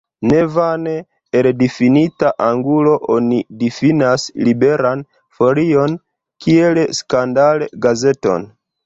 Ne vane, el difinita angulo oni difinas Liberan Folion kiel skandal-gazeton.